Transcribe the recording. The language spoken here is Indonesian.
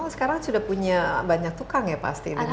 sekarang sudah punya banyak tukang ya pasti ini